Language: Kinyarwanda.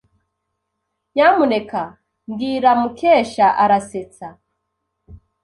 Nyamuneka mbwira Mukesha arasetsa.